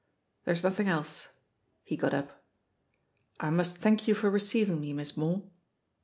There's nothing else." He got up. "I must thank you for receiving me. Miss Moore."